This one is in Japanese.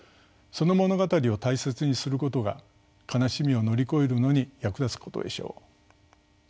その物語を大切にすることが悲しみを乗り越えるのに役立つことでしょう。